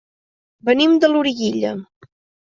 Venim de Loriguilla.